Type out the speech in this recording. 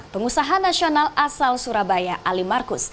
pengusaha nasional asal surabaya ali markus